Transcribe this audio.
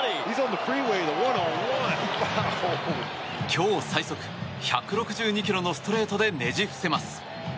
今日最速１６２キロのストレートでねじ伏せます。